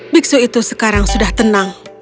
biksu itu sekarang sudah tenang